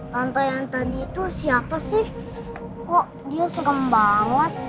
tante yang tadi itu siapa sih kok dia serem banget